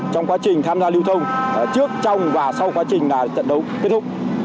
trong quá trình tham gia lưu thông trước trong và sau quá trình trận đấu kết thúc